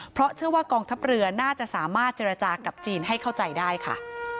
เพราะเชื่อว่ากองทัพเรือน่าจะสามารถเจรจากับจีนให้เข้าใจได้ค่ะ